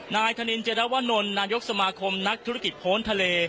นายธนินเจรวนลนายกสมาคมนักธุรกิจโพนทะเล